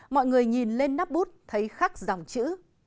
mọi người nhìn lên nắp bút thấy khắc dòng chữ